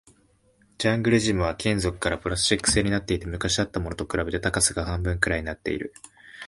ジャングルジムは金属からプラスチック製になっていて、昔あったものと比べて高さが半分くらいになっている